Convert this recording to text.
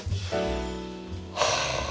はあ！